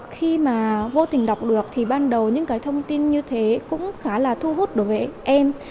khi mà vô tình đọc được thì ban đầu những cái thông tin như thế cũng khá là thu hút đối với em